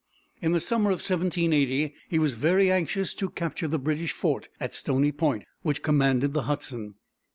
In the summer of 1780 he was very anxious to capture the British fort at Stony Point, which commanded the Hudson.